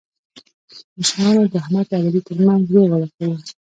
مشرانو د احمد او علي ترمنځ روغه وکړله.